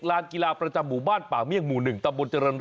ลานกีฬาประจำหมู่บ้านปามีสภาพไหมง